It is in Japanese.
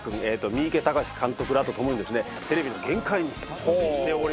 三池崇史監督らとともにですねテレビの限界に挑戦しております。